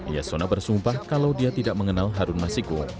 yasona bersumpah kalau dia tidak mengenal harun masiku